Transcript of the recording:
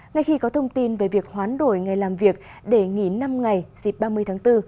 ngay khi có thông tin về việc hoán đổi ngày làm việc để nghỉ năm ngày dịp ba mươi tháng bốn